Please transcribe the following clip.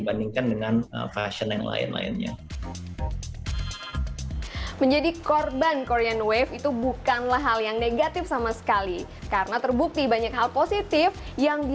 bagaimana situasi ini